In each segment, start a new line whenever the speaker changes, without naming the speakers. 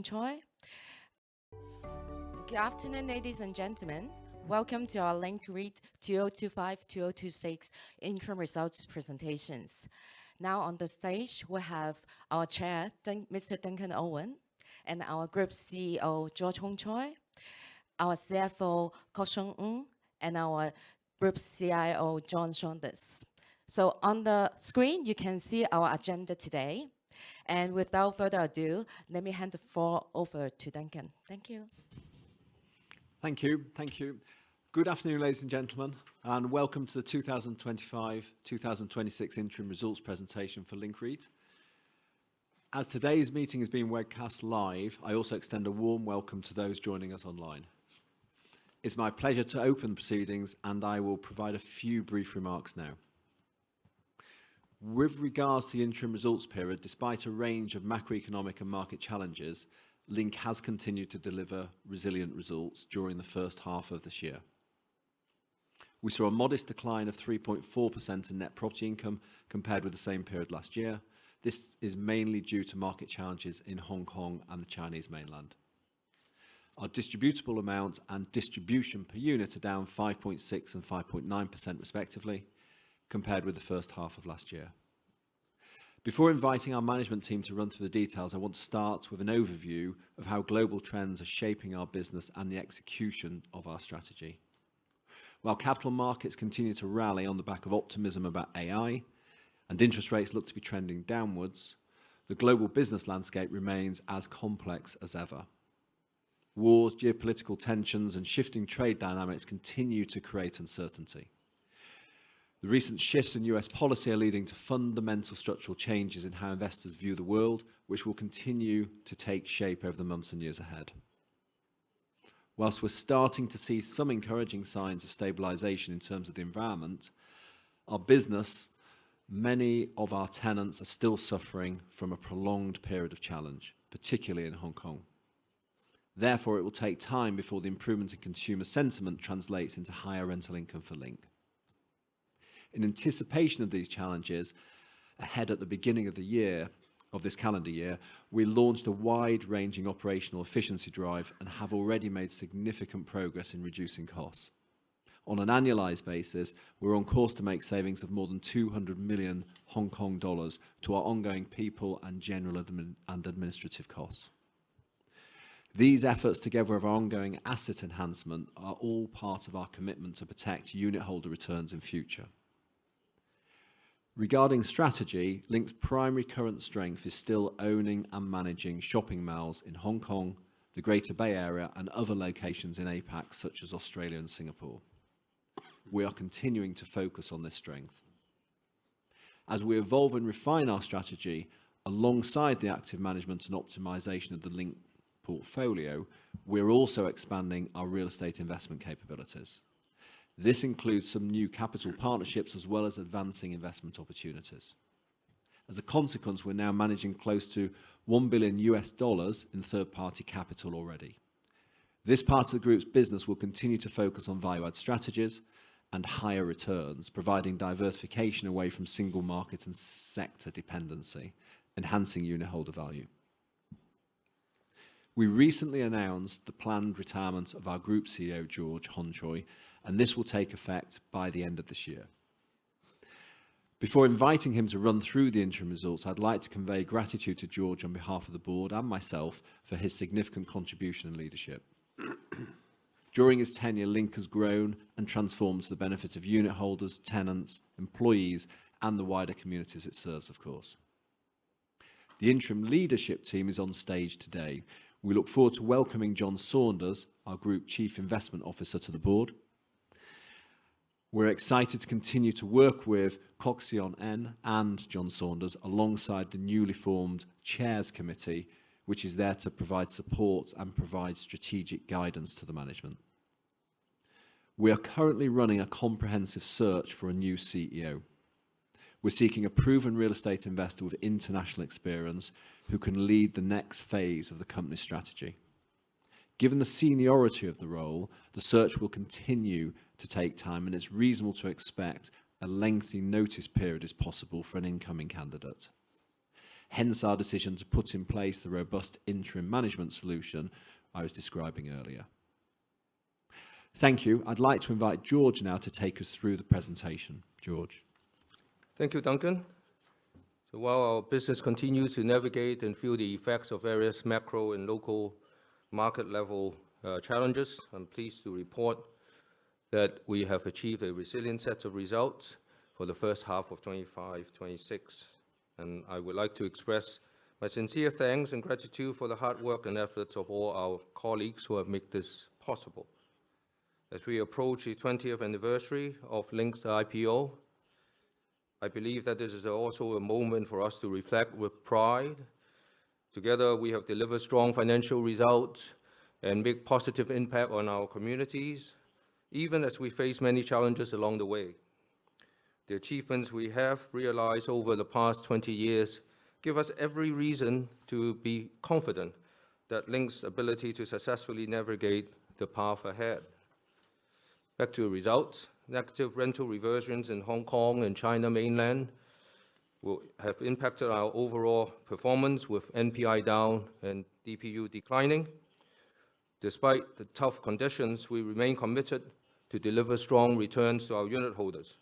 Good afternoon, ladies and gentlemen. Welcome to our Link REIT 2025-2026 interim results presentations. Now, on the stage, we have our Chair, Mr. Duncan Owen, and our Group CEO, George Hongchoy, our CFO, Kok-Siong Ng, and our Group CIO, John Saunders. You can see our agenda today on the screen. Without further ado, let me hand the floor over to Duncan. Thank you.
Thank you. Thank you. Good afternoon, ladies and gentlemen, and welcome to the 2025-2026 interim results presentations for Link REIT. As today's meeting is being webcast live, I also extend a warm welcome to those joining us online. It's my pleasure to open the proceedings, and I will provide a few brief remarks now. With regards to the interim results period, despite a range of macroeconomic and market challenges, Link has continued to deliver resilient results during the first half of this year. We saw a modest decline of 3.4% in net property income compared with the same period last year. This is mainly due to market challenges in Hong Kong and the Chinese mainland. Our distributable amounts and distribution per unit are down 5.6% and 5.9% respectively, compared with the first half of last year. Before inviting our management team to run through the details, I want to start with an overview of how global trends are shaping our business and the execution of our strategy. While capital markets continue to rally on the back of optimism about AI and interest rates look to be trending downwards, the global business landscape remains as complex as ever. Wars, geopolitical tensions, and shifting trade dynamics continue to create uncertainty. The recent shifts in U.S. policy are leading to fundamental structural changes in how investors view the world, which will continue to take shape over the months and years ahead. Whilst we're starting to see some encouraging signs of stabilization in terms of the environment, our business, many of our tenants, are still suffering from a prolonged period of challenge, particularly in Hong Kong. Therefore, it will take time before the improvement in consumer sentiment translates into higher rental income for Link. In anticipation of these challenges, ahead at the beginning of this calendar year, we launched a wide-ranging operational efficiency drive and have already made significant progress in reducing costs. On an annualized basis, we're on course to make savings of more than 200 million Hong Kong dollars to our ongoing people and general and administrative costs. These efforts, together with our ongoing asset enhancement, are all part of our commitment to protect unit holder returns in future. Regarding strategy, Link's primary current strength is still owning and managing shopping centres in Hong Kong, the Greater Bay Area, and other locations in APAC, such as Australia and Singapore. We are continuing to focus on this strength. As we evolve and refine our strategy alongside the active management and optimization of the Link portfolio, we're also expanding our real estate investment capabilities. This includes some new capital partnerships as well as advancing investment opportunities. As a consequence, we're now managing close to $1 billion in third-party capital already. This part of the Group's business will continue to focus on value-add strategies and higher returns, providing diversification away from single markets and sector dependency, enhancing unit holder value. We recently announced the planned retirement of our Group CEO, George Hongchoy, and this will take effect by the end of this year. Before inviting him to run through the interim results, I'd like to convey gratitude to George on behalf of the board and myself for his significant contribution and leadership. During his tenure, Link has grown and transformed to the benefit of unit holders, tenants, employees, and the wider communities it serves, of course. The interim leadership team is on stage today. We look forward to welcoming John Saunders, our Group Chief Investment Officer, to the board. We're excited to continue to work with Kok-Siong Ng and John Saunders alongside the newly formed Chairs Committee, which is there to provide support and provide strategic guidance to the management. We are currently running a comprehensive search for a new CEO. We're seeking a proven real estate investor with international experience who can lead the next phase of the company's strategy. Given the seniority of the role, the search will continue to take time, and it's reasonable to expect a lengthy notice period is possible for an incoming candidate. Hence, our decision to put in place the robust interim management solution I was describing earlier. Thank you. I'd like to invite George now to take us through the presentation. George?
Thank you, Duncan. While our business continues to navigate and feel the effects of various macro and local market-level challenges, I'm pleased to report that we have achieved a resilient set of results for the first half of 2025-2026. I would like to express my sincere thanks and gratitude for the hard work and efforts of all our colleagues who have made this possible. As we approach the 20th anniversary of Link's IPO, I believe that this is also a moment for us to reflect with pride. Together, we have delivered strong financial results and made a positive impact on our communities, even as we face many challenges along the way. The achievements we have realized over the past 20 years give us every reason to be confident that Link's ability to successfully navigate the path ahead. Back to the results. Negative rental reversions in Hong Kong and China mainland have impacted our overall performance with NPI down and DPU declining. Despite the tough conditions, we remain committed to deliver strong returns to our unit holders,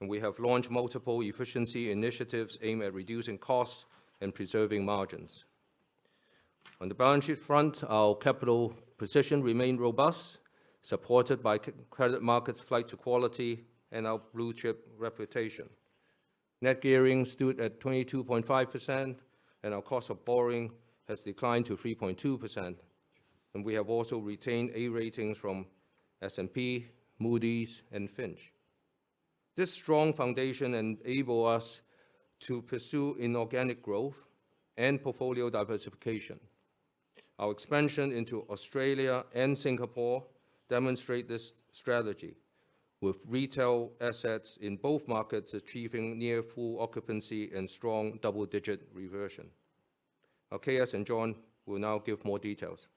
and we have launched multiple efficiency initiatives aimed at reducing costs and preserving margins. On the balance sheet front, our capital position remained robust, supported by credit markets' flight to quality and our blue-chip reputation. Net gearing stood at 22.5%, and our cost of borrowing has declined to 3.2%. We have also retained A ratings from S&P, Moody's, and Fitch. This strong foundation enables us to pursue inorganic growth and portfolio diversification. Our expansion into Australia and Singapore demonstrates this strategy, with retail assets in both markets achieving near full occupancy and strong double-digit reversion. Our Chairs and John will now give more details.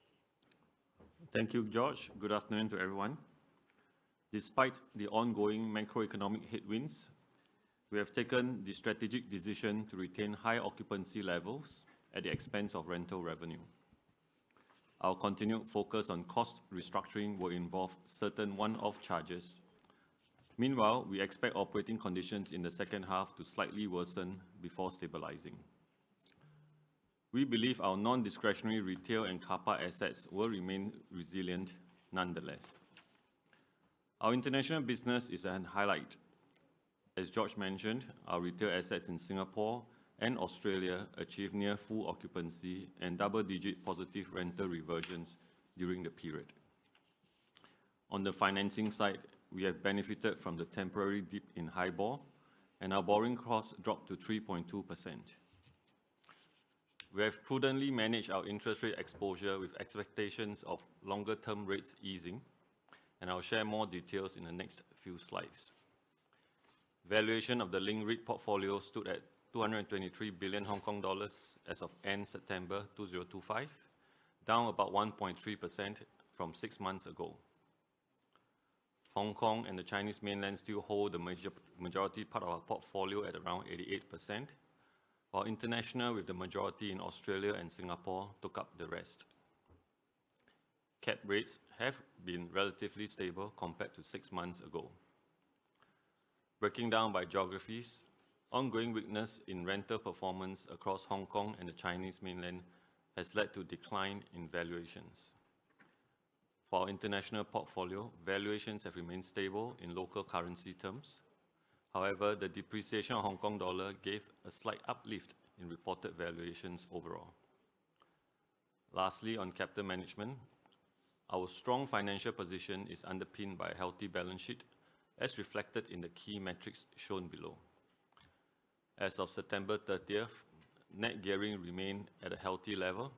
Thank you, George. Good afternoon to everyone. Despite the ongoing macroeconomic headwinds, we have taken the strategic decision to retain high occupancy levels at the expense of rental revenue. Our continued focus on cost restructuring will involve certain one-off charges. Meanwhile, we expect operating conditions in the second half to slightly worsen before stabilizing. We believe our non-discretionary retail and car park assets will remain resilient nonetheless. Our international business is a highlight. As George mentioned, our retail assets in Singapore and Australia achieved near full occupancy and double-digit positive rental reversions during the period. On the financing side, we have benefited from the temporary dip in high BOR, and our borrowing costs dropped to 3.2%. We have prudently managed our interest rate exposure with expectations of longer-term rates easing, and I'll share more details in the next few slides. Valuation of the Link REIT portfolio stood at 223 billion Hong Kong dollars as of end September 2025, down about 1.3% from six months ago. Hong Kong and the Chinese mainland still hold the majority part of our portfolio at around 88%, while international, with the majority in Australia and Singapore, took up the rest. Cap rates have been relatively stable compared to six months ago. Breaking down by geographies, ongoing weakness in rental performance across Hong Kong and the Chinese mainland has led to a decline in valuations. For our international portfolio, valuations have remained stable in local currency terms. However, the depreciation of the Hong Kong dollar gave a slight uplift in reported valuations overall. Lastly, on capital management, our strong financial position is underpinned by a healthy balance sheet, as reflected in the key metrics shown below. As of September 30th, net gearing remained at a healthy level,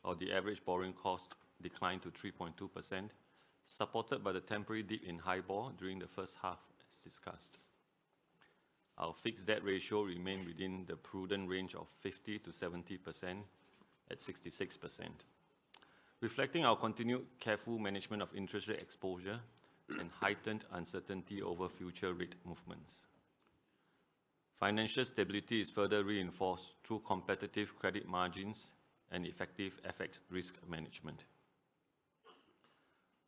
while the average borrowing cost declined to 3.2%, supported by the temporary dip in high bore during the first half, as discussed. Our fixed debt ratio remained within the prudent range of 50%-70% at 66%, reflecting our continued careful management of interest rate exposure and heightened uncertainty over future rate movements. Financial stability is further reinforced through competitive credit margins and effective FX risk management.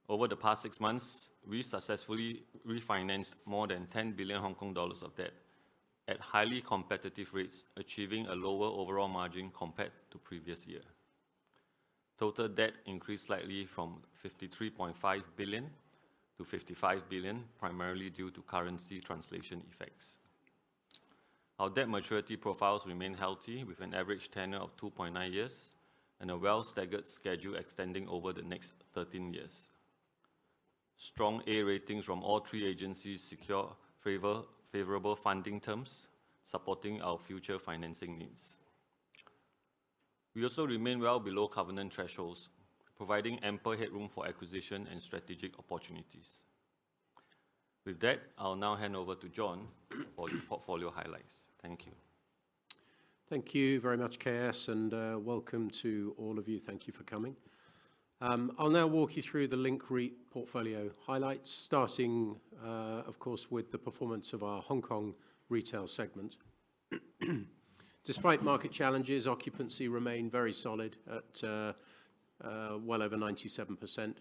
Over the past six months, we successfully refinanced more than 10 billion Hong Kong dollars of debt at highly competitive rates, achieving a lower overall margin compared to the previous year. Total debt increased slightly from 53.5 billion to 55 billion, primarily due to currency translation effects. Our debt maturity profiles remain healthy, with an average tenure of 2.9 years and a well-staggered schedule extending over the next 13 years. Strong A ratings from all three agencies secure favorable funding terms, supporting our future financing needs. We also remain well below covenant thresholds, providing ample headroom for acquisition and strategic opportunities. With that, I'll now hand over to John for the portfolio highlights. Thank you.
Thank you very much, Chairs, and welcome to all of you. Thank you for coming. I'll now walk you through the Link REIT portfolio highlights, starting, of course, with the performance of our Hong Kong retail segment. Despite market challenges, occupancy remained very solid at well over 97%.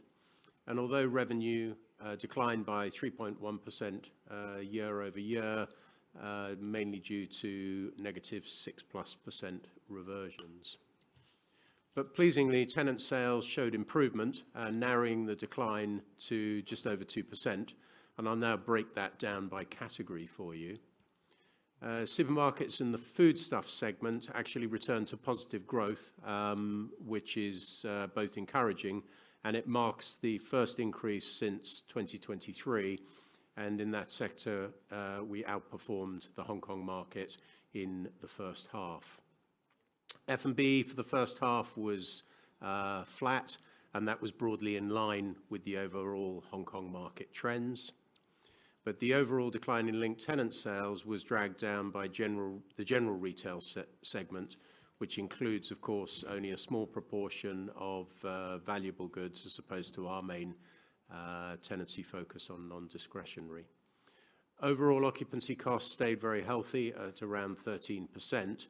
Although revenue declined by 3.1% year over year, mainly due to -6% plus reversions, tenant sales showed improvement, narrowing the decline to just over 2%. I'll now break that down by category for you. Supermarkets in the foodstuffs segment actually returned to positive growth, which is both encouraging, and it marks the first increase since 2023. In that sector, we outperformed the Hong Kong market in the first half. F&B for the first half was flat, and that was broadly in line with the overall Hong Kong market trends. The overall decline in Link tenant sales was dragged down by the general retail segment, which includes, of course, only a small proportion of valuable goods as opposed to our main tenancy focus on non-discretionary. Overall, occupancy costs stayed very healthy at around 13%.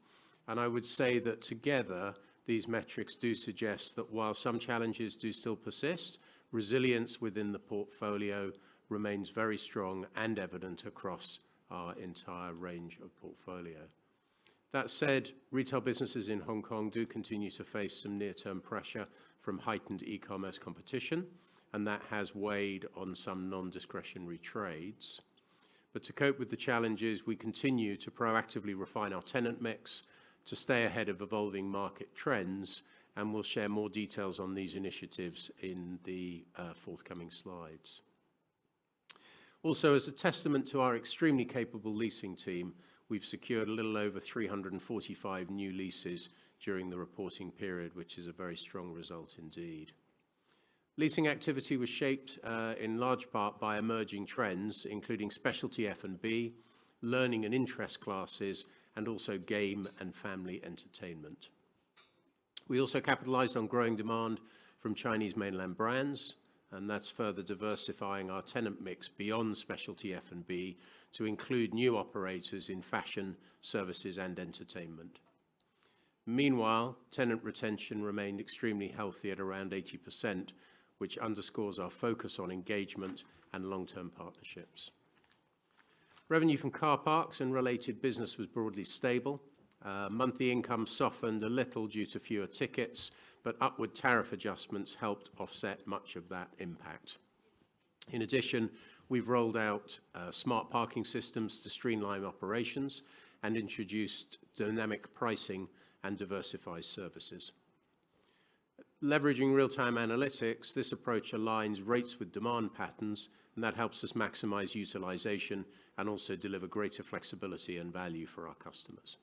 I would say that together, these metrics do suggest that while some challenges do still persist, resilience within the portfolio remains very strong and evident across our entire range of portfolio. That said, retail businesses in Hong Kong do continue to face some near-term pressure from heightened e-commerce competition, and that has weighed on some non-discretionary trades. To cope with the challenges, we continue to proactively refine our tenant mix to stay ahead of evolving market trends, and we'll share more details on these initiatives in the forthcoming slides. Also, as a testament to our extremely capable leasing team, we've secured a little over 345 new leases during the reporting period, which is a very strong result indeed. Leasing activity was shaped in large part by emerging trends, including specialty F&B, learning and interest classes, and also game and family entertainment. We also capitalized on growing demand from Chinese mainland brands, and that's further diversifying our tenant mix beyond specialty F&B to include new operators in fashion, services, and entertainment. Meanwhile, tenant retention remained extremely healthy at around 80%, which underscores our focus on engagement and long-term partnerships. Revenue from car parks and related business was broadly stable. Monthly income softened a little due to fewer tickets, but upward tariff adjustments helped offset much of that impact. In addition, we've rolled out smart parking systems to streamline operations and introduced dynamic pricing and diversified services. Leveraging real-time analytics, this approach aligns rates with demand patterns, and that helps us maximize utilization and also deliver greater flexibility and value for our customers.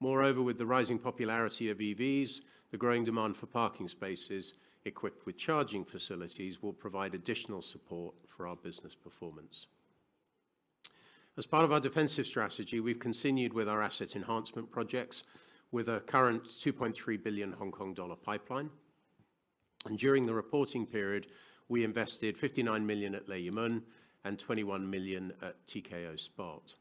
Moreover, with the rising popularity of EVs, the growing demand for parking spaces equipped with charging facilities will provide additional support for our business performance. As part of our defensive strategy, we have continued with our asset enhancement projects with a current 2.3 billion Hong Kong dollar pipeline. During the reporting period, we invested 59 million at Lei Yue Mun and 21 million at TKO Spot.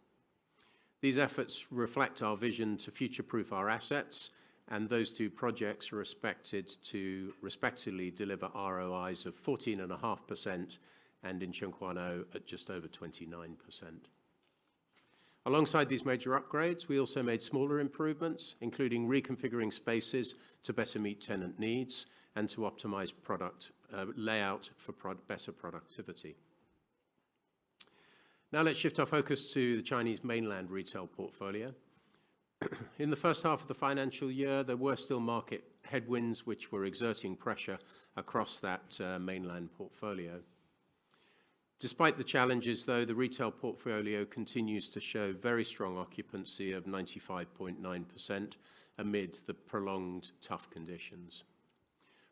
These efforts reflect our vision to future-proof our assets, and those two projects are expected to respectively deliver ROIs of 14.5% and in Tseung Kwan O at just over 29%. Alongside these major upgrades, we also made smaller improvements, including reconfiguring spaces to better meet tenant needs and to optimize product layout for better productivity. Now let's shift our focus to the Chinese mainland retail portfolio. In the first half of the financial year, there were still market headwinds, which were exerting pressure across that mainland portfolio. Despite the challenges, though, the retail portfolio continues to show very strong occupancy of 95.9% amid the prolonged tough conditions.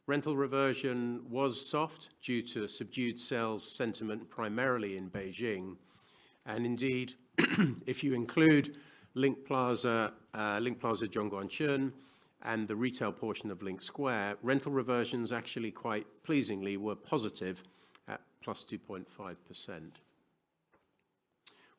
Rental reversion was soft due to subdued sales sentiment primarily in Beijing. Actually, if you include Link Plaza, Link Plaza Zhongguancun, and the retail portion of Link Square, rental reversions, quite pleasingly, were positive at +2.5%.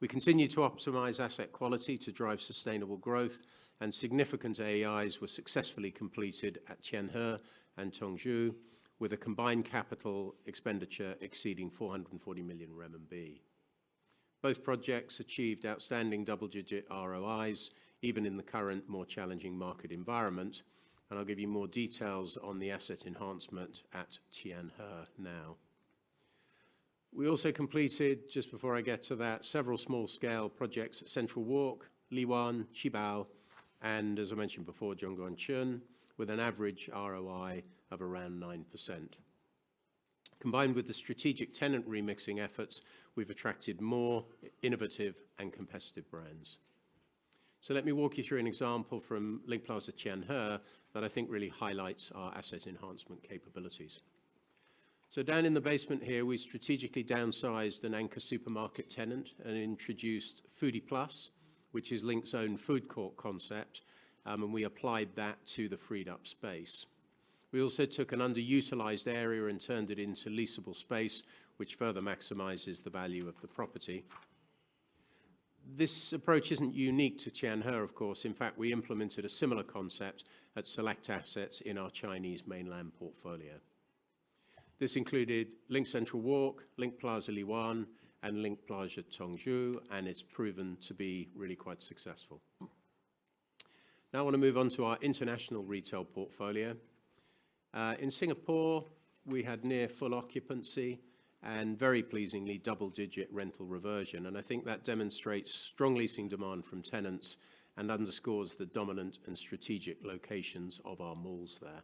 We continue to optimize asset quality to drive sustainable growth, and significant asset enhancements were successfully completed at Tianhe and Chongzhou, with a combined capital expenditure exceeding HKD 440 million. Both projects achieved outstanding double-digit ROIs, even in the current more challenging market environment. I'll give you more details on the asset enhancement at Tianhe now. We also completed, just before I get to that, several small-scale projects: Central Walk, Liwan, Qibao, and, as I mentioned before, Zhongguancheng, with an average ROI of around 9%. Combined with the strategic tenant remixing efforts, we've attracted more innovative and competitive brands. Let me walk you through an example from Link Plaza Tianhe that I think really highlights our asset enhancement capabilities. Down in the basement here, we strategically downsized an Anchor supermarket tenant and introduced Foodie+, which is Link's own food court concept, and we applied that to the freed-up space. We also took an underutilized area and turned it into leasable space, which further maximizes the value of the property. This approach is not unique to Tianhe, of course. In fact, we implemented a similar concept at Select Assets in our Chinese mainland portfolio. This included Link Central Walk, Link Plaza Liwan, and Link Plaza Chongzhou, and it is proven to be really quite successful. Now I want to move on to our international retail portfolio. In Singapore, we had near full occupancy and, very pleasingly, double-digit rental reversion. I think that demonstrates strong leasing demand from tenants and underscores the dominant and strategic locations of our malls there.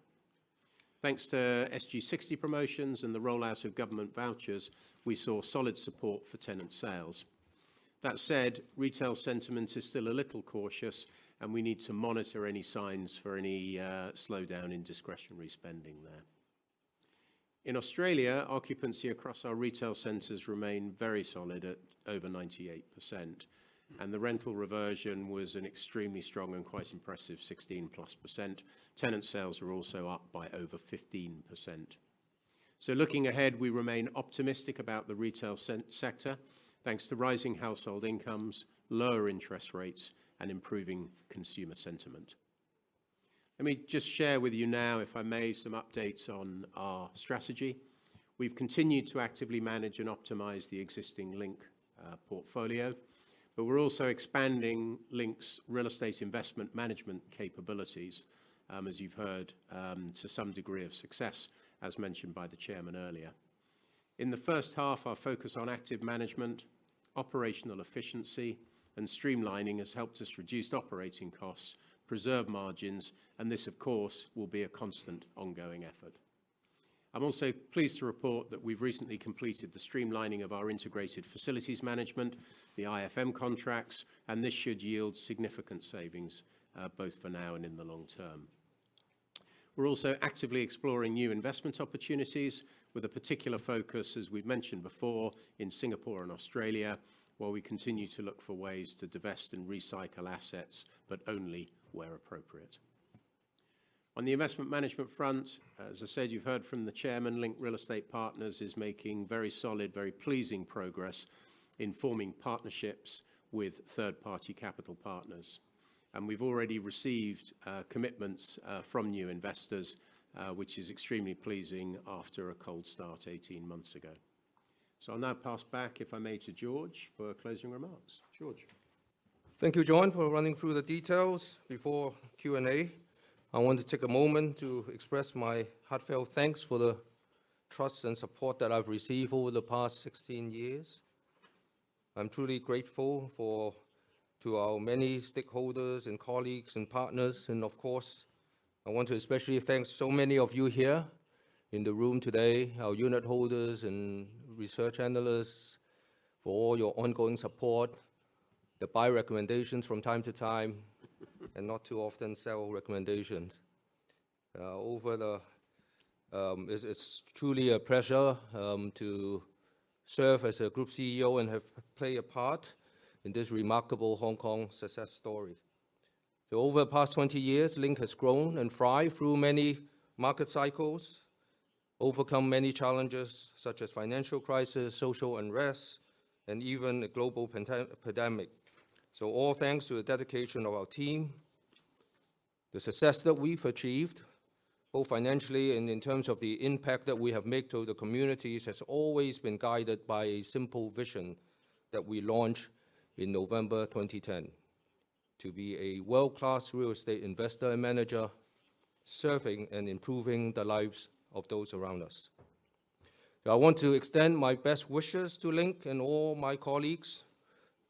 Thanks to SG60 promotions and the rollout of government vouchers, we saw solid support for tenant sales. That said, retail sentiment is still a little cautious, and we need to monitor any signs for any slowdown in discretionary spending there. In Australia, occupancy across our retail centers remained very solid at over 98%, and the rental reversion was an extremely strong and quite impressive 16%+. Tenant sales were also up by over 15%. Looking ahead, we remain optimistic about the retail sector, thanks to rising household incomes, lower interest rates, and improving consumer sentiment. Let me just share with you now, if I may, some updates on our strategy. We have continued to actively manage and optimize the existing Link portfolio, but we are also expanding Link's real estate investment management capabilities, as you have heard, to some degree of success, as mentioned by the Chairman earlier. In the first half, our focus on active management, operational efficiency, and streamlining has helped us reduce operating costs, preserve margins, and this, of course, will be a constant ongoing effort. I am also pleased to report that we have recently completed the streamlining of our integrated facilities management, the IFM contracts, and this should yield significant savings, both for now and in the long term. We're also actively exploring new investment opportunities, with a particular focus, as we've mentioned before, in Singapore and Australia, while we continue to look for ways to divest and recycle assets, but only where appropriate. On the investment management front, as I said, you've heard from the Chairman, Link Real Estate Partners is making very solid, very pleasing progress in forming partnerships with third-party capital partners. We've already received commitments from new investors, which is extremely pleasing after a cold start 18 months ago. I'll now pass back, if I may, to George for closing remarks. George?
Thank you, John, for running through the details before Q&A. I want to take a moment to express my heartfelt thanks for the trust and support that I've received over the past 16 years. I'm truly grateful to our many stakeholders and colleagues and partners. Of course, I want to especially thank so many of you here in the room today, our unit holders and research analysts, for all your ongoing support, the buy recommendations from time to time, and not too often sell recommendations. It's truly a pleasure to serve as Group CEO and have played a part in this remarkable Hong Kong success story. Over the past 20 years, Link has grown and thrived through many market cycles, overcome many challenges such as financial crisis, social unrest, and even a global pandemic. All thanks to the dedication of our team. The success that we've achieved, both financially and in terms of the impact that we have made to the communities, has always been guided by a simple vision that we launched in November 2010: to be a world-class real estate investor and manager, serving and improving the lives of those around us. I want to extend my best wishes to Link and all my colleagues.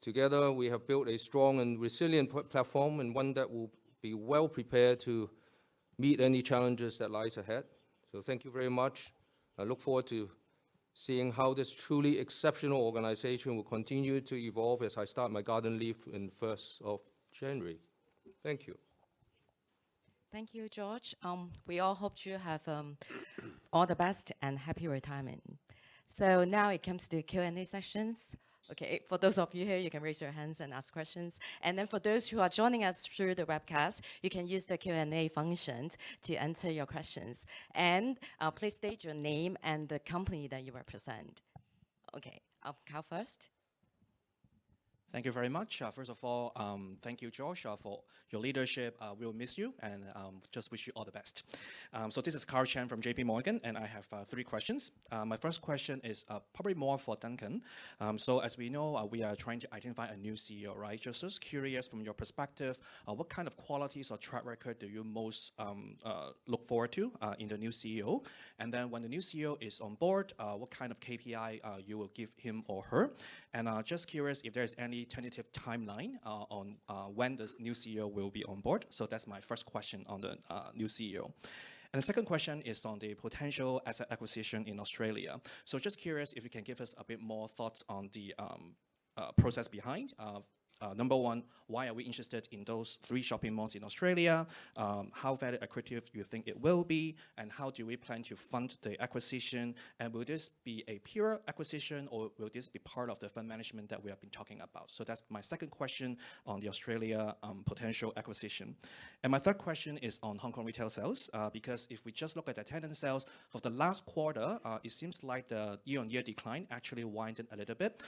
Together, we have built a strong and resilient platform and one that will be well prepared to meet any challenges that lie ahead. Thank you very much. I look forward to seeing how this truly exceptional organization will continue to evolve as I start my garden leave on the 1st of January. Thank you.
Thank you, George. We all hope you have all the best and happy retirement. Now it comes to Q&A sessions. For those of you here, you can raise your hands and ask questions. For those who are joining us through the webcast, you can use the Q&A function to enter your questions. Please state your name and the company that you represent. Okay, I'll go first.
Thank you very much. First of all, thank you, George, for your leadership. We'll miss you and just wish you all the best. This is Karl Chen from JPMorgan, and I have three questions. My first question is probably more for Duncan. As we know, we are trying to identify a new CEO, right? Just curious from your perspective, what kind of qualities or track record do you most look forward to in the new CEO? When the new CEO is on board, what kind of KPI you will give him or her? Just curious if there is any tentative timeline on when the new CEO will be on board. That is my first question on the new CEO. The second question is on the potential asset acquisition in Australia. Just curious if you can give us a bit more thoughts on the process behind. Number one, why are we interested in those three shopping malls in Australia? How value-accretive do you think it will be? How do we plan to fund the acquisition? Will this be a pure acquisition, or will this be part of the fund management that we have been talking about? That is my second question on the Australia potential acquisition. My third question is on Hong Kong retail sales, because if we just look at the tenant sales, for the last quarter, it seems like the year-on-year decline actually widened a little bit.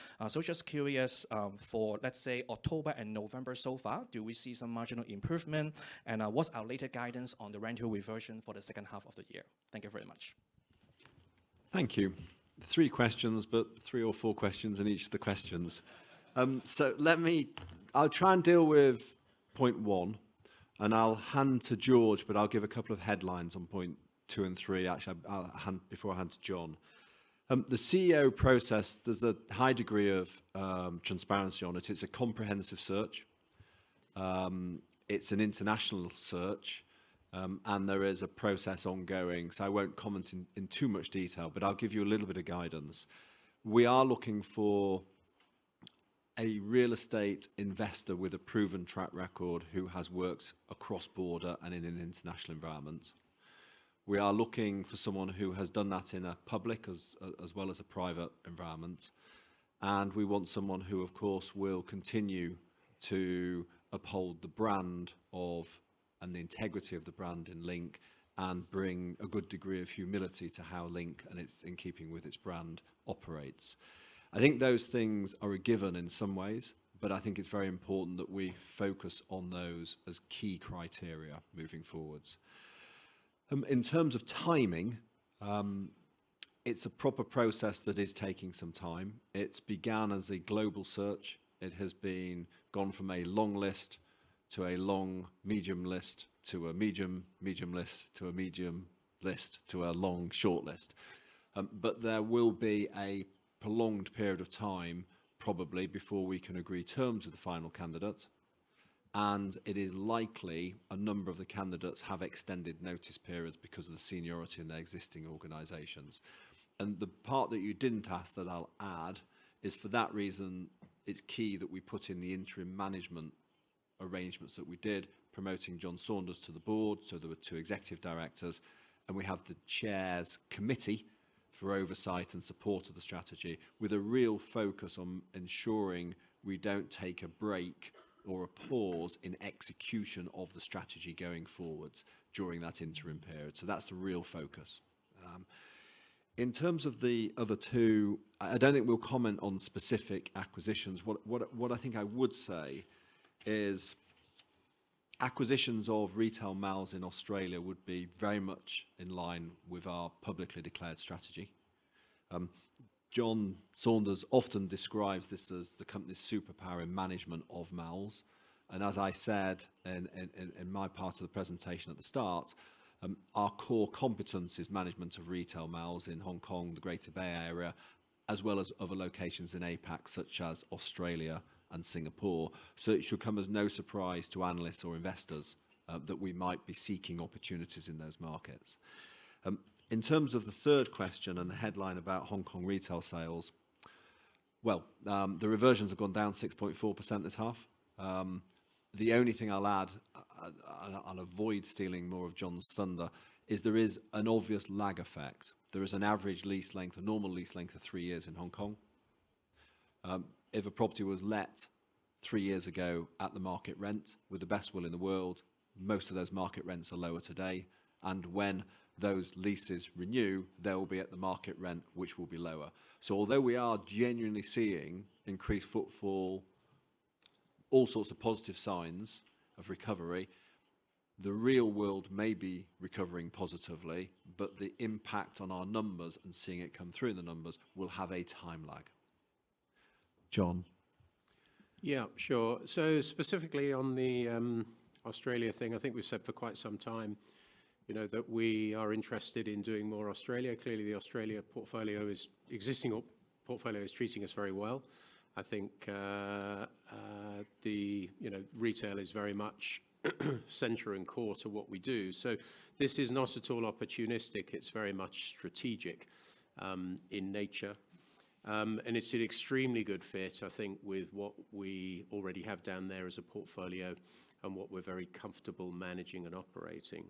Just curious for, let's say, October and November so far, do we see some marginal improvement? What is our later guidance on the rental reversion for the second half of the year? Thank you very much.
Thank you. Three questions, but three or four questions in each of the questions. Let me, I'll try and deal with point one, and I'll hand to George, but I'll give a couple of headlines on point two and three. Actually, I'll hand before I hand to John. The CEO process, there's a high degree of transparency on it. It's a comprehensive search. It's an international search, and there is a process ongoing. I won't comment in too much detail, but I'll give you a little bit of guidance. We are looking for a real estate investor with a proven track record who has worked across border and in an international environment. We are looking for someone who has done that in a public as well as a private environment. We want someone who, of course, will continue to uphold the brand and the integrity of the brand in Link and bring a good degree of humility to how Link and it's in keeping with its brand operates. I think those things are a given in some ways, but I think it's very important that we focus on those as key criteria moving forwards. In terms of timing, it's a proper process that is taking some time. It's begun as a global search. It has been gone from a long list to a long medium list to a medium medium list to a medium list to a long short list. There will be a prolonged period of time probably before we can agree terms with the final candidate. It is likely a number of the candidates have extended notice periods because of the seniority in their existing organizations. The part that you did not ask that I will add is for that reason, it is key that we put in the interim management arrangements that we did promoting John Saunders to the board. There were two executive directors, and we have the chair's committee for oversight and support of the strategy with a real focus on ensuring we do not take a break or a pause in execution of the strategy going forwards during that interim period. That is the real focus. In terms of the other two, I do not think we will comment on specific acquisitions. What I think I would say is acquisitions of retail malls in Australia would be very much in line with our publicly declared strategy. John Saunders often describes this as the company's superpower in management of malls. As I said in my part of the presentation at the start, our core competence is management of retail malls in Hong Kong, the Greater Bay Area, as well as other locations in APAC such as Australia and Singapore. It should come as no surprise to analysts or investors that we might be seeking opportunities in those markets. In terms of the third question and the headline about Hong Kong retail sales, the reversions have gone down 6.4% this half. The only thing I'll add, I'll avoid stealing more of John's thunder, is there is an obvious lag effect. There is an average lease length, a normal lease length of three years in Hong Kong. If a property was let three years ago at the market rent with the best will in the world, most of those market rents are lower today. When those leases renew, they will be at the market rent, which will be lower. Although we are genuinely seeing increased footfall, all sorts of positive signs of recovery, the real world may be recovering positively, but the impact on our numbers and seeing it come through in the numbers will have a time lag. John?
Yeah, sure. Specifically on the Australia thing, I think we've said for quite some time that we are interested in doing more Australia. Clearly, the Australia portfolio, the existing portfolio, is treating us very well. I think the retail is very much center and core to what we do. This is not at all opportunistic. It's very much strategic in nature. It's an extremely good fit, I think, with what we already have down there as a portfolio and what we're very comfortable managing and operating.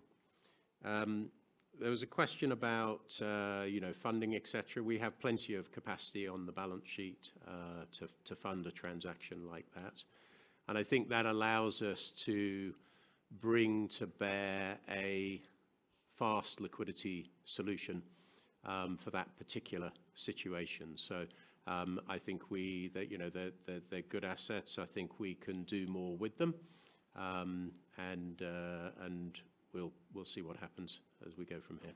There was a question about funding, etc. We have plenty of capacity on the balance sheet to fund a transaction like that. I think that allows us to bring to bear a fast liquidity solution for that particular situation. I think they're good assets. I think we can do more with them. We will see what happens as we go from here.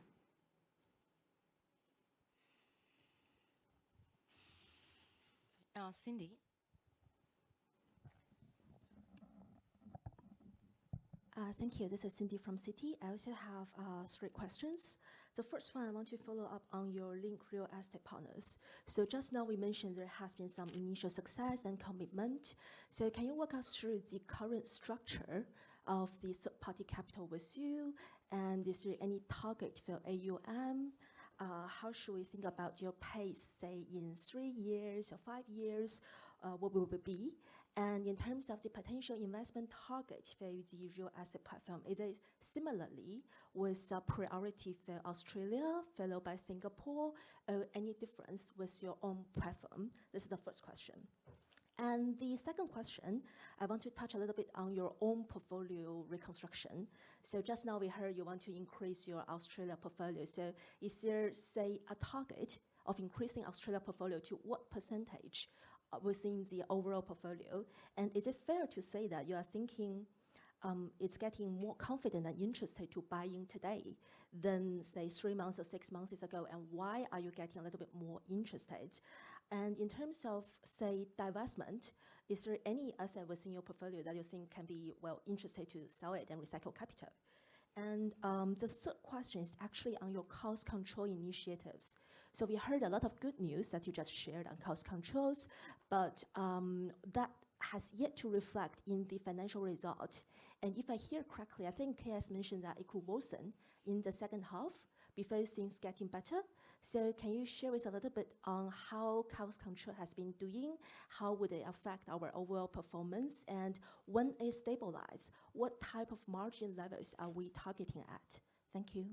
Cindy?
Thank you. This is Cindy from Citi. I also have three questions. The first one, I want to follow up on your Link Real Estate Partners. Just now we mentioned there has been some initial success and commitment. Can you walk us through the current structure of the third-party capital with you? Is there any target for AUM? How should we think about your pace, say, in three years or five years? What will it be? In terms of the potential investment target for the real estate platform, is it similarly with priority for Australia, followed by Singapore? Any difference with your own platform? This is the first question. The second question, I want to touch a little bit on your own portfolio reconstruction. Just now we heard you want to increase your Australia portfolio. Is there, say, a target of increasing Australia portfolio to what percentage within the overall portfolio? Is it fair to say that you are thinking it's getting more confident and interested to buy in today than, say, three months or six months ago? Why are you getting a little bit more interested? In terms of, say, divestment, is there any asset within your portfolio that you think can be well interested to sell it and recycle capital? The third question is actually on your cost control initiatives. We heard a lot of good news that you just shared on cost controls, but that has yet to reflect in the financial result. If I hear correctly, I think K.S. mentioned that it could worsen in the second half before things getting better. Can you share with us a little bit on how cost control has been doing? How would it affect our overall performance? When it stabilizes, what type of margin levels are we targeting at? Thank you.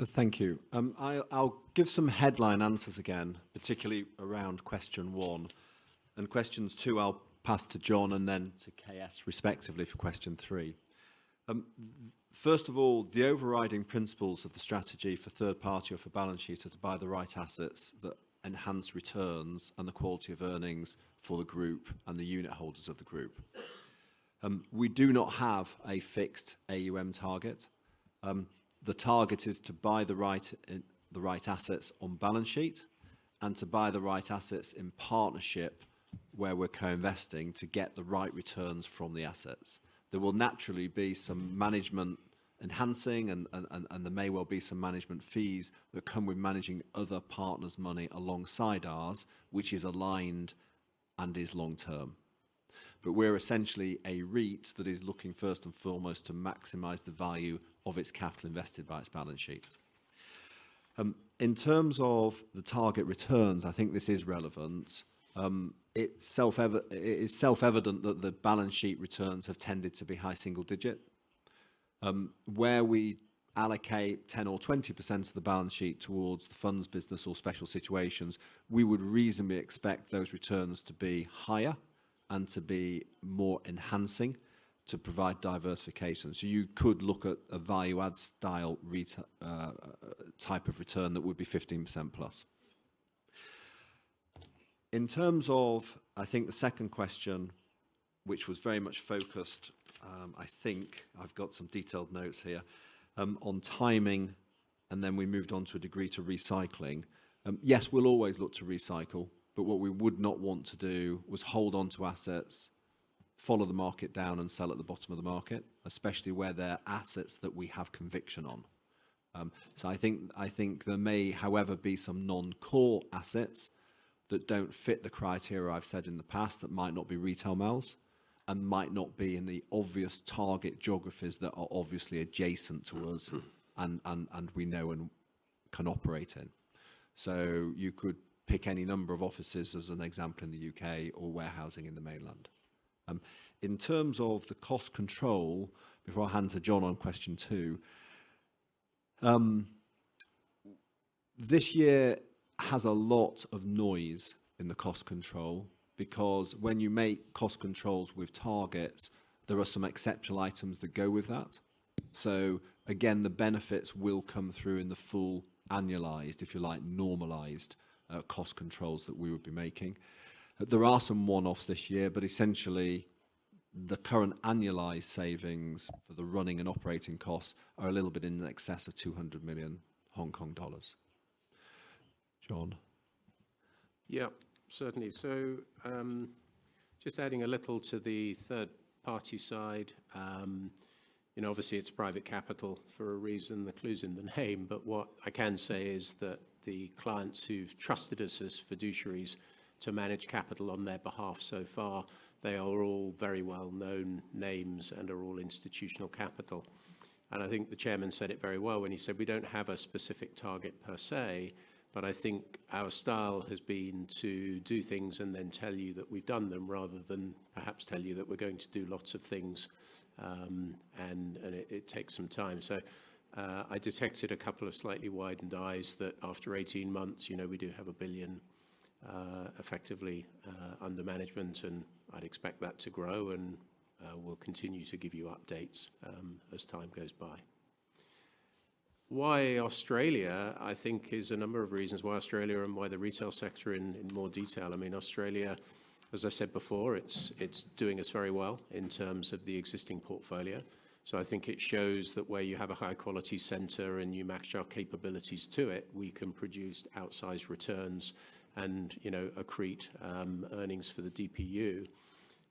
Thank you. I'll give some headline answers again, particularly around question one. Question two, I'll pass to John and then to K.S. respectively for question three. First of all, the overriding principles of the strategy for third party or for balance sheet are to buy the right assets that enhance returns and the quality of earnings for the group and the unit holders of the group. We do not have a fixed AUM target. The target is to buy the right assets on balance sheet and to buy the right assets in partnership where we're co-investing to get the right returns from the assets. There will naturally be some management enhancing, and there may well be some management fees that come with managing other partners' money alongside ours, which is aligned and is long-term. We're essentially a REIT that is looking first and foremost to maximize the value of its capital invested by its balance sheet. In terms of the target returns, I think this is relevant. It's self-evident that the balance sheet returns have tended to be high single-digit. Where we allocate 10% or 20% of the balance sheet towards the funds business or special situations, we would reasonably expect those returns to be higher and to be more enhancing to provide diversification. You could look at a value-add style type of return that would be 15%+. In terms of, I think the second question, which was very much focused, I think I've got some detailed notes here on timing, and then we moved on to a degree to recycling. Yes, we'll always look to recycle, but what we would not want to do was hold onto assets, follow the market down, and sell at the bottom of the market, especially where they're assets that we have conviction on. I think there may, however, be some non-core assets that don't fit the criteria I've said in the past that might not be retail malls and might not be in the obvious target geographies that are obviously adjacent to us and we know and can operate in. You could pick any number of offices as an example in the U.K. or warehousing in the mainland. In terms of the cost control, before I hand to John on question two, this year has a lot of noise in the cost control because when you make cost controls with targets, there are some exceptional items that go with that. Again, the benefits will come through in the full annualized, if you like, normalized cost controls that we would be making. There are some one-offs this year, but essentially the current annualized savings for the running and operating costs are a little bit in excess of 200 million Hong Kong dollars. John?
Yeah, certainly. Just adding a little to the third-party side. Obviously, it's private capital for a reason. The clue's in the name, but what I can say is that the clients who've trusted us as fiduciaries to manage capital on their behalf so far, they are all very well-known names and are all institutional capital. I think the Chairman said it very well when he said, "We don't have a specific target per se," but I think our style has been to do things and then tell you that we've done them rather than perhaps tell you that we're going to do lots of things, and it takes some time. I detected a couple of slightly widened eyes that after 18 months, we do have a billion effectively under management, and I'd expect that to grow, and we'll continue to give you updates as time goes by. Why Australia, I think, is a number of reasons why Australia and why the retail sector in more detail. I mean, Australia, as I said before, it's doing us very well in terms of the existing portfolio. I think it shows that where you have a high-quality center and you match our capabilities to it, we can produce outsized returns and accrete earnings for the DPU.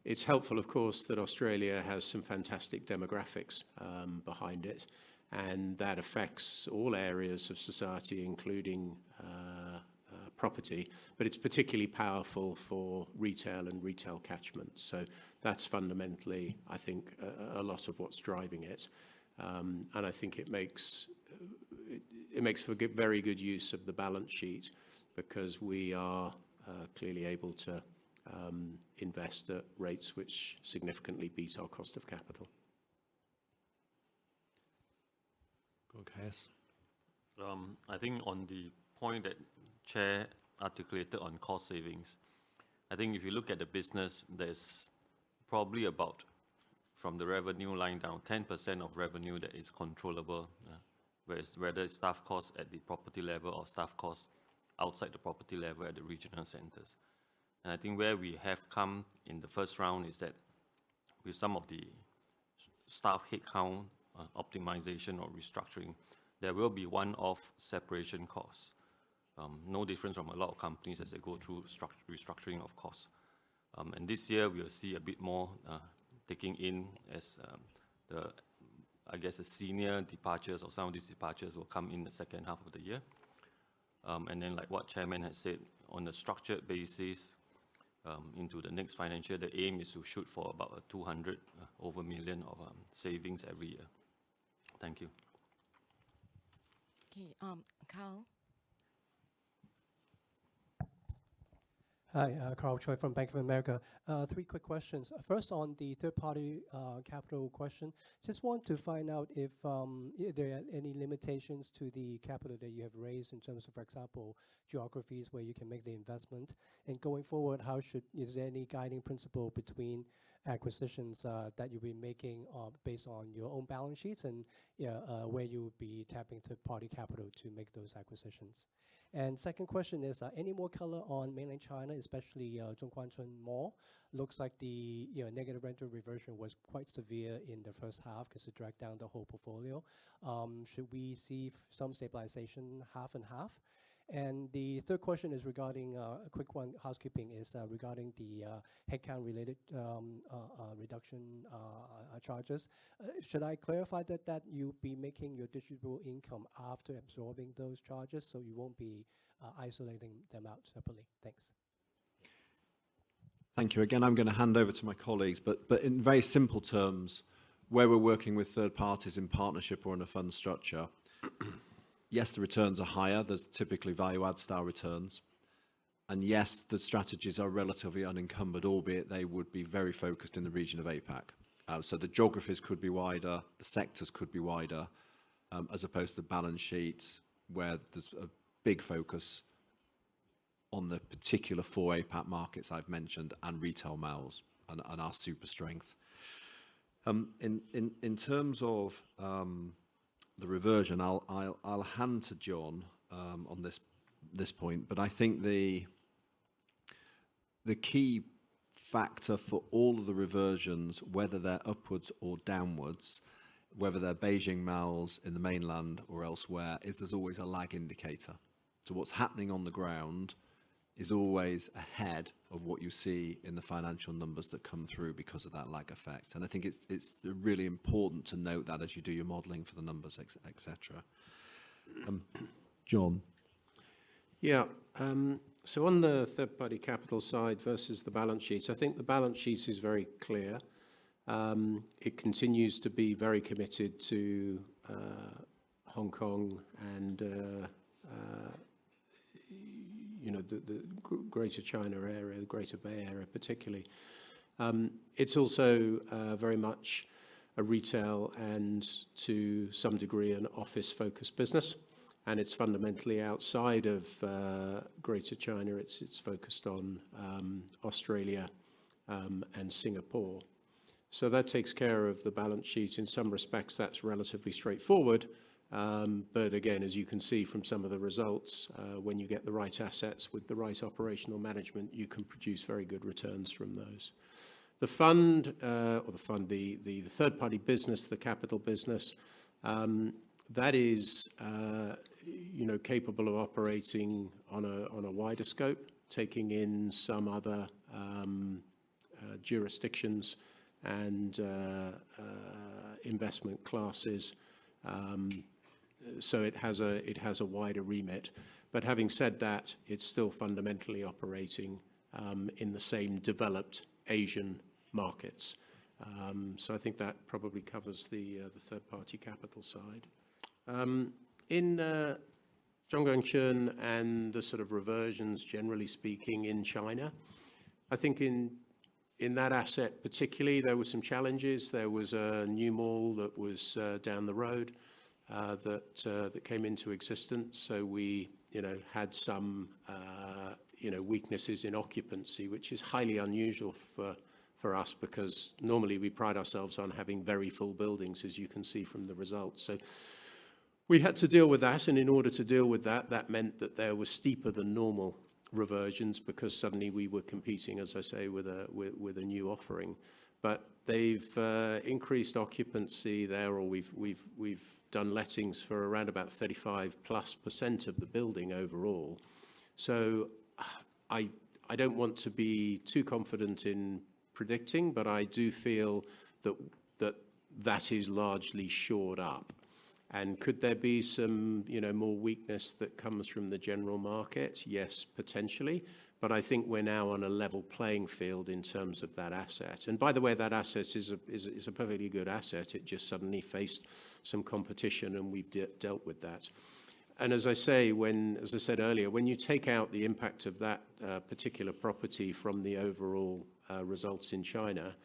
It's helpful, of course, that Australia has some fantastic demographics behind it, and that affects all areas of society, including property, but it's particularly powerful for retail and retail catchment. That's fundamentally, I think, a lot of what's driving it. I think it makes for very good use of the balance sheet because we are clearly able to invest at rates which significantly beat our cost of capital.
K.S.?
I think on the point that Chair articulated on cost savings, I think if you look at the business, there's probably about, from the revenue line down, 10% of revenue that is controllable. Whether it's staff cost at the property level or staff cost outside the property level at the regional centers. I think where we have come in the first round is that with some of the staff headcount optimization or restructuring, there will be one-off separation costs. No different from a lot of companies as they go through restructuring, of course. This year, we'll see a bit more taking in as the, I guess, the senior departures or some of these departures will come in the second half of the year. Like what Chairman has said, on a structured basis into the next financial year, the aim is to shoot for about 200 million of savings every year. Thank you.
Okay. Karl.
Hi, Karl Choi from Bank of America. Three quick questions. First, on the third-party capital question, just want to find out if there are any limitations to the capital that you have raised in terms of, for example, geographies where you can make the investment. Going forward, should there be any guiding principle between acquisitions that you'll be making based on your own balance sheets and where you'll be tapping third-party capital to make those acquisitions? Second question is, any more color on mainland China, especially Zhongguancun Mall? Looks like the negative rental reversion was quite severe in the first half because it dragged down the whole portfolio. Should we see some stabilization, half and half? The third question is regarding a quick one, housekeeping, is regarding the headcount-related reduction charges. Should I clarify that you'll be making your distributable income after absorbing those charges so you won't be isolating them out separately? Thanks.
Thank you. Again, I'm going to hand over to my colleagues, but in very simple terms, where we're working with third parties in partnership or in a fund structure, yes, the returns are higher. There's typically value-add style returns. Yes, the strategies are relatively unencumbered, albeit they would be very focused in the region of APAC. The geographies could be wider, the sectors could be wider, as opposed to the balance sheet where there's a big focus on the particular four APAC markets I've mentioned and retail malls and our super strength. In terms of the reversion, I'll hand to John on this point, but I think the key factor for all of the reversions, whether they're upwards or downwards, whether they're Beijing malls in the mainland or elsewhere, is there's always a lag indicator. What's happening on the ground is always ahead of what you see in the financial numbers that come through because of that lag effect. I think it's really important to note that as you do your modeling for the numbers, etc. John?
Yeah. On the third-party capital side versus the balance sheet, I think the balance sheet is very clear. It continues to be very committed to Hong Kong and the Greater China area, the Greater Bay Area particularly. It is also very much a retail and, to some degree, an office-focused business. It is fundamentally outside of Greater China. It is focused on Australia and Singapore. That takes care of the balance sheet. In some respects, that is relatively straightforward. Again, as you can see from some of the results, when you get the right assets with the right operational management, you can produce very good returns from those. The fund, or the fund, the third-party business, the capital business, that is capable of operating on a wider scope, taking in some other jurisdictions and investment classes. It has a wider remit. Having said that, it's still fundamentally operating in the same developed Asian markets. I think that probably covers the third-party capital side. In Zhongguancun and the sort of reversions, generally speaking, in China, I think in that asset particularly, there were some challenges. There was a new mall that was down the road that came into existence. We had some weaknesses in occupancy, which is highly unusual for us because normally we pride ourselves on having very full buildings, as you can see from the results. We had to deal with that. In order to deal with that, that meant that there were steeper than normal reversions because suddenly we were competing, as I say, with a new offering. They've increased occupancy there, or we've done lettings for around about 35% plus of the building overall. I do not want to be too confident in predicting, but I do feel that that is largely shored up. Could there be some more weakness that comes from the general market? Yes, potentially. I think we are now on a level playing field in terms of that asset. By the way, that asset is a perfectly good asset. It just suddenly faced some competition, and we have dealt with that. As I said earlier, when you take out the impact of that particular property from the overall results in China,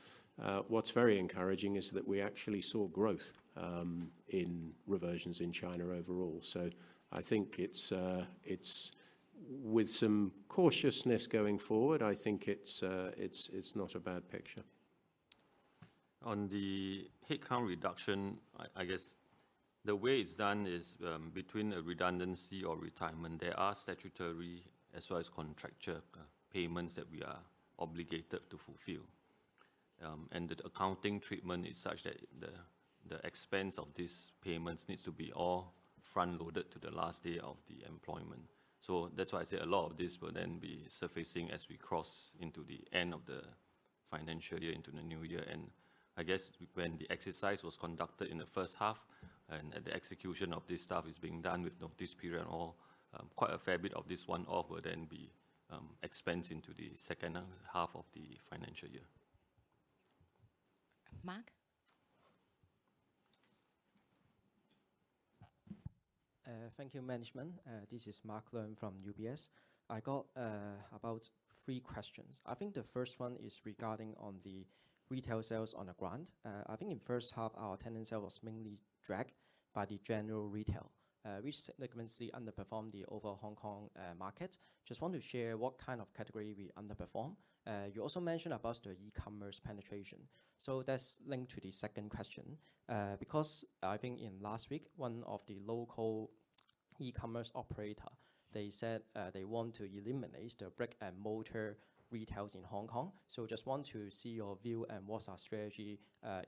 what is very encouraging is that we actually saw growth in reversions in China overall. I think with some cautiousness going forward, I think it is not a bad picture.
On the headcount reduction, I guess the way it's done is between a redundancy or retirement, there are statutory as well as contractual payments that we are obligated to fulfill. The accounting treatment is such that the expense of these payments needs to be all front-loaded to the last day of the employment. That's why I say a lot of this will then be surfacing as we cross into the end of the financial year, into the new year. I guess when the exercise was conducted in the first half and the execution of this stuff is being done with no disappearance at all, quite a fair bit of this one-off will then be expensed into the second half of the financial year.
Mark?
Thank you, Management. This is Mark Leung from UBS. I got about three questions. I think the first one is regarding on the retail sales on the ground. I think in the first half, our attendance sale was mainly dragged by the general retail, which significantly underperformed the overall Hong Kong market. Just want to share what kind of category we underperform. You also mentioned about the e-commerce penetration. That's linked to the second question because I think in last week, one of the local e-commerce operators, they said they want to eliminate the brick and mortar retails in Hong Kong. Just want to see your view and what's our strategy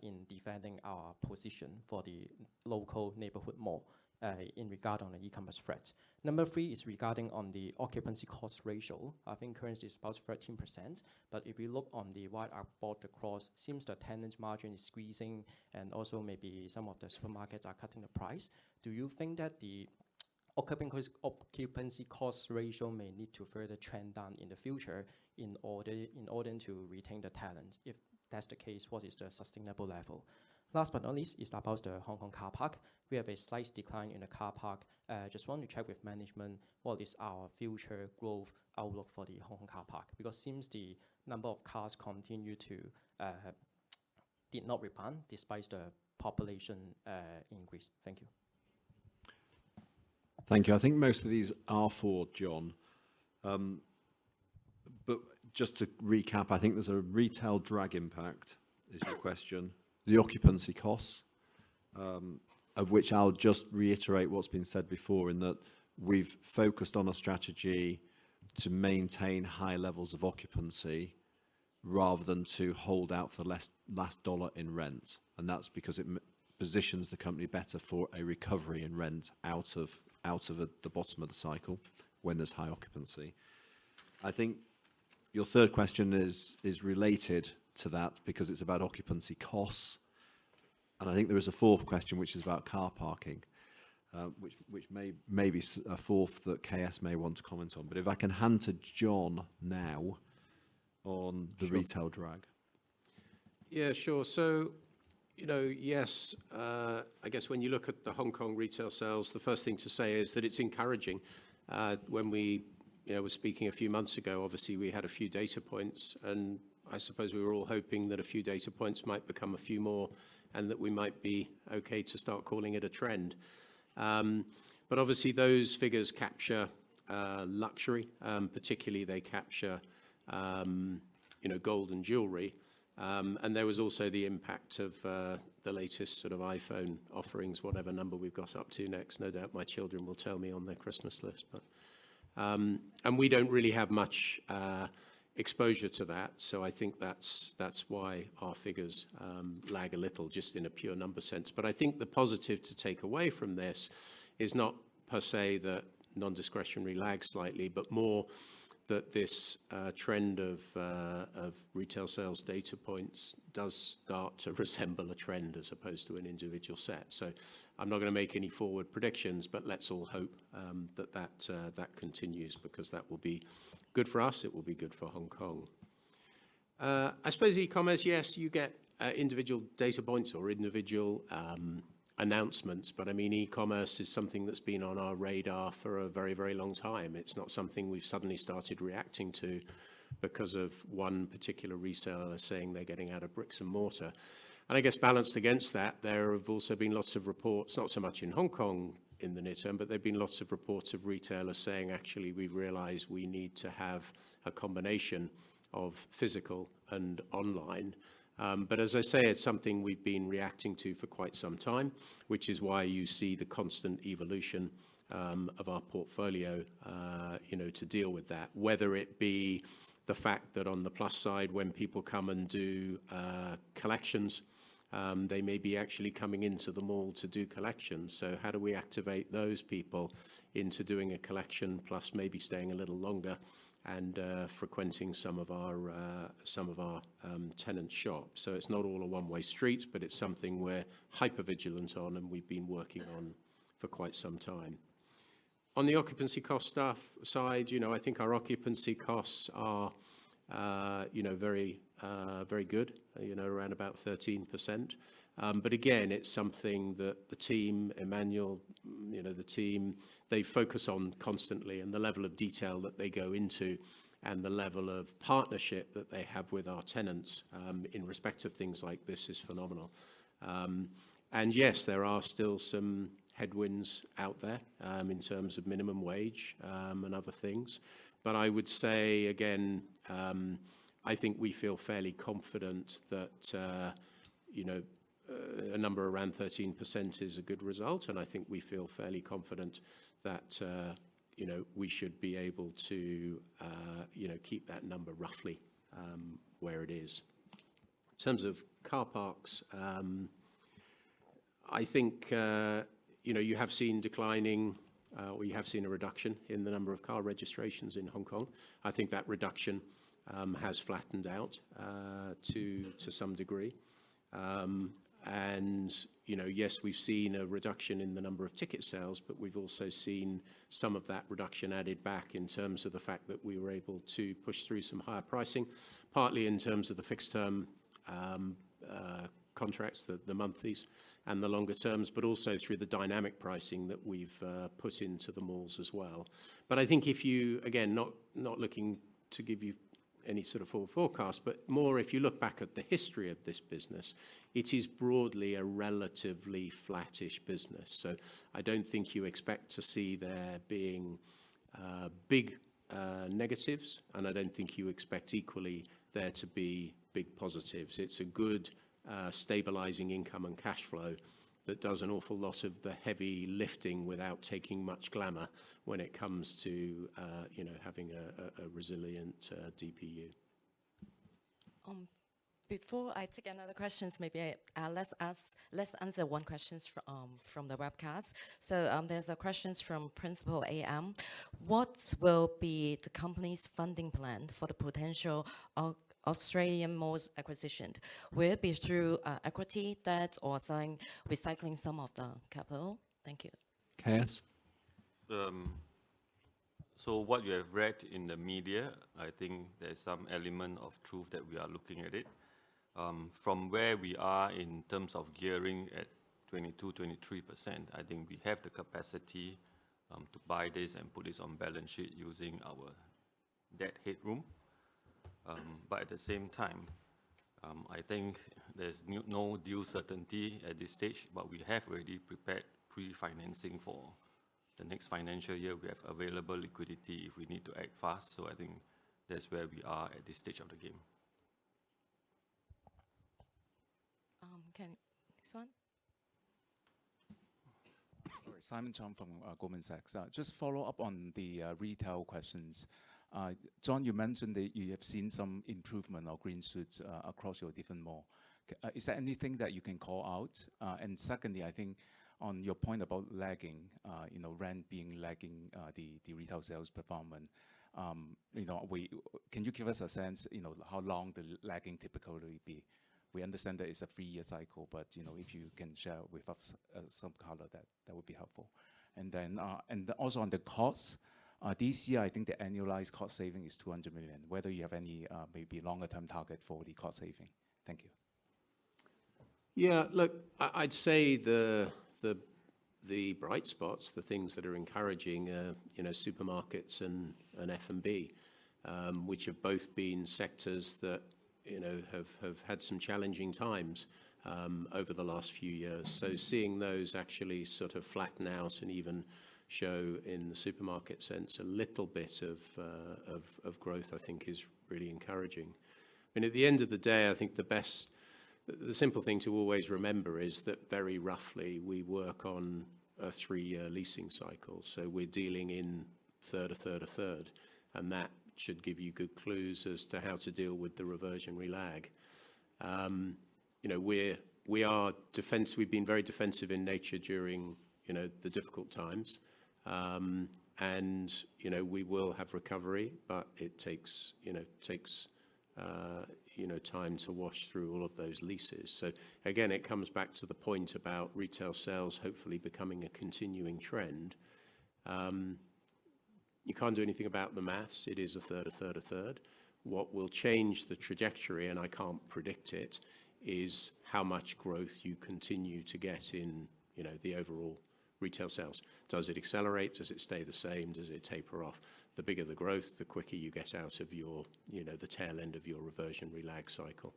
in defending our position for the local neighborhood mall in regard on the e-commerce threat. Number three is regarding on the occupancy cost ratio. I think currently it's about 13%, but if you look on the wide-out board across, it seems the tenant margin is squeezing and also maybe some of the supermarkets are cutting the price. Do you think that the occupancy cost ratio may need to further trend down in the future in order to retain the talent? If that's the case, what is the sustainable level? Last but not least is about the Hong Kong car park. We have a slight decline in the car park. Just want to check with Management what is our future growth outlook for the Hong Kong car park because it seems the number of cars continued to not rebound despite the population increase. Thank you.
Thank you. I think most of these are for John. Just to recap, I think there is a retail drag impact is the question. The occupancy costs, of which I'll just reiterate what's been said before in that we've focused on a strategy to maintain high levels of occupancy rather than to hold out for the last dollar in rent. That is because it positions the company better for a recovery in rent out of the bottom of the cycle when there is high occupancy. I think your third question is related to that because it is about occupancy costs. I think there is a fourth question, which is about car parking, which may be a fourth that KS may want to comment on. If I can hand to John now on the retail drag.
Yeah, sure. Yes, I guess when you look at the Hong Kong retail sales, the first thing to say is that it's encouraging. When we were speaking a few months ago, obviously we had a few data points. I suppose we were all hoping that a few data points might become a few more and that we might be okay to start calling it a trend. Obviously those figures capture luxury. Particularly, they capture gold and jewelry. There was also the impact of the latest sort of iPhone offerings, whatever number we've got up to next. No doubt my children will tell me on their Christmas list. We don't really have much exposure to that. I think that's why our figures lag a little just in a pure number sense. I think the positive to take away from this is not per se the non-discretionary lag slightly, but more that this trend of retail sales data points does start to resemble a trend as opposed to an individual set. I'm not going to make any forward predictions, but let's all hope that that continues because that will be good for us. It will be good for Hong Kong. I suppose e-commerce, yes, you get individual data points or individual announcements. I mean, e-commerce is something that's been on our radar for a very, very long time. It's not something we've suddenly started reacting to because of one particular retailer saying they're getting out of bricks and mortar. I guess balanced against that, there have also been lots of reports, not so much in Hong Kong in the near term, but there have been lots of reports of retailers saying, actually, we realize we need to have a combination of physical and online. As I say, it's something we've been reacting to for quite some time, which is why you see the constant evolution of our portfolio to deal with that. Whether it be the fact that on the plus side, when people come and do collections, they may be actually coming into the mall to do collections. How do we activate those people into doing a collection plus maybe staying a little longer and frequenting some of our tenant shops? It's not all a one-way street, but it's something we're hyper-vigilant on and we've been working on for quite some time. On the occupancy cost side, I think our occupancy costs are very good, around about 13%. It is something that the team, Emmanuel, the team, they focus on constantly and the level of detail that they go into and the level of partnership that they have with our tenants in respect of things like this is phenomenal. Yes, there are still some headwinds out there in terms of minimum wage and other things. I would say, again, I think we feel fairly confident that a number around 13% is a good result. I think we feel fairly confident that we should be able to keep that number roughly where it is. In terms of car parks, I think you have seen declining or you have seen a reduction in the number of car registrations in Hong Kong. I think that reduction has flattened out to some degree. Yes, we've seen a reduction in the number of ticket sales, but we've also seen some of that reduction added back in terms of the fact that we were able to push through some higher pricing, partly in terms of the fixed-term contracts, the monthlies and the longer terms, but also through the dynamic pricing that we've put into the malls as well. I think if you, again, not looking to give you any sort of forward forecast, but more if you look back at the history of this business, it is broadly a relatively flattish business. I do not think you expect to see there being big negatives, and I do not think you expect equally there to be big positives. It's a good stabilizing income and cash flow that does an awful lot of the heavy lifting without taking much glamour when it comes to having a resilient DPU.
Before I take another question, maybe let's answer one question from the webcast. There is a question from Principal AM. What will be the company's funding plan for the potential Australian malls acquisition? Will it be through equity, debt, or recycling some of the capital? Thank you.
K.S.?
What you have read in the media, I think there's some element of truth that we are looking at it. From where we are in terms of gearing at 22%-23%, I think we have the capacity to buy this and put this on balance sheet using our debt headroom. At the same time, I think there's no deal certainty at this stage, but we have already prepared pre-financing for the next financial year. We have available liquidity if we need to act fast. I think that's where we are at this stage of the game.
Next one.
Sorry, Simon Chong from Goldman Sachs. Just follow up on the retail questions. John, you mentioned that you have seen some improvement or green shoots across your different malls. Is there anything that you can call out? Secondly, I think on your point about lagging, rent being lagging the retail sales performance, can you give us a sense how long the lagging typically will be? We understand that it's a three-year cycle, but if you can share with us some color, that would be helpful. Also on the costs, this year, I think the annualized cost saving is 200 million. Whether you have any maybe longer-term target for the cost saving. Thank you.
Yeah, look, I'd say the bright spots, the things that are encouraging in supermarkets and F&B, which have both been sectors that have had some challenging times over the last few years. Seeing those actually sort of flatten out and even show in the supermarket sense a little bit of growth, I think is really encouraging. I mean, at the end of the day, I think the best, the simple thing to always remember is that very roughly we work on a three-year leasing cycle. We are dealing in third or third or third. That should give you good clues as to how to deal with the reversionary lag. We are defensive; we've been very defensive in nature during the difficult times. We will have recovery, but it takes time to wash through all of those leases. It comes back to the point about retail sales hopefully becoming a continuing trend. You can't do anything about the maths. It is a third, a third, a third. What will change the trajectory, and I can't predict it, is how much growth you continue to get in the overall retail sales. Does it accelerate? Does it stay the same? Does it taper off? The bigger the growth, the quicker you get out of the tail end of your reversionary lag cycle.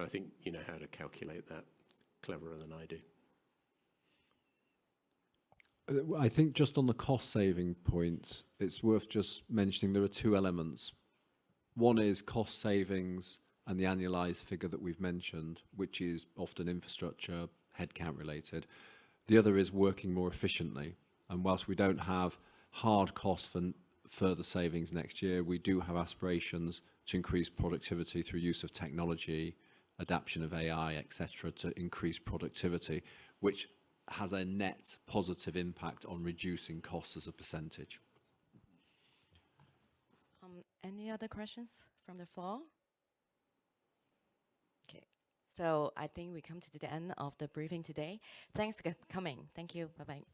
I think you know how to calculate that cleverer than I do. I think just on the cost saving point, it's worth just mentioning there are two elements. One is cost savings and the annualized figure that we've mentioned, which is often infrastructure headcount related. The other is working more efficiently. Whilst we do not have hard costs for further savings next year, we do have aspirations to increase productivity through use of technology, adaption of AI, etc., to increase productivity, which has a net positive impact on reducing costs as a percentage.
Any other questions from the floor? Okay. I think we come to the end of the briefing today. Thanks for coming. Thank you. Bye-bye.